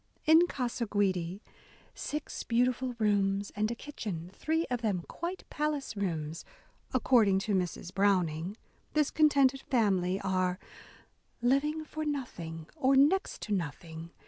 In Casa Guidi, — "six beautiful rooms and a kitchen, three of them quite palace rooms," according to Mrs. Browning, — this contented family are "living for nothing or next to nothing